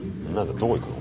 どこ行くの？